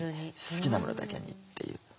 好きなものだけにっていう。